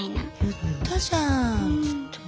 言ったじゃんっつって。